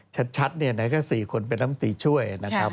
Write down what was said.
ชัดก็๔คนเป็นน้ำตีช่วย